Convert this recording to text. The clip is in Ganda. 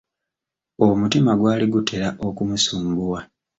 Omutima gwali gutera okumusumbuwa.